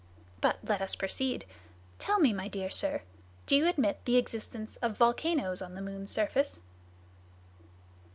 But let us proceed. Tell me, my dear sir, do you admit the existence of volcanoes on the moon's surface?"